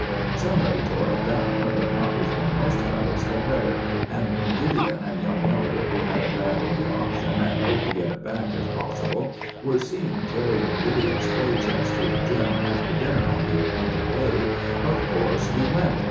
Somebody tore it down, but not before most fellows had read it; and when Gideon and young Miller, who had a bat in the auction, and hoped to get it back if possible, were seen carrying Gideon's play chest to the gym after dinner on the appointed day, of course we went.